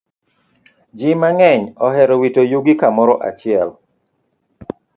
Ji mang'eny ohero wito yugi kamoro achiel.